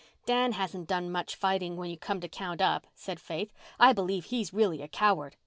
"Dan hasn't done much fighting when you come to count up," said Faith. "I believe he's really a coward.